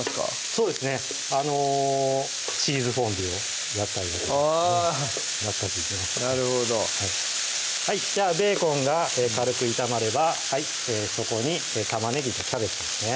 そうですねチーズフォンデュをやったりあぁなるほどじゃあベーコンが軽く炒まればそこに玉ねぎとキャベツですね